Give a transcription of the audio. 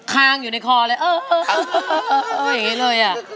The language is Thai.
คางอยู่ในคอเลยเอออย่างนี้เลยอ่ะ